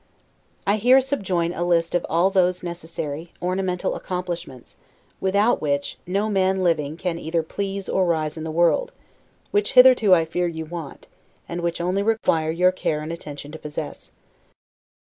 I here subjoin a list of all those necessary, ornamental accomplishments (without which, no man living can either please, or rise in the world) which hitherto I fear you want, and which only require your care and attention to possess.